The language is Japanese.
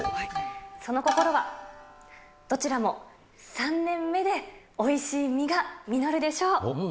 その心は、どちらも３年目でおいしい実が実るでしょう。